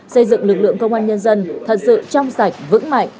xây dựng lực lượng công an nhân dân thật sự trong sạch vững mạnh